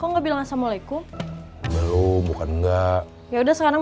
aku nggak bilang assalamualaikum belum bukan enggak ya udah sekarang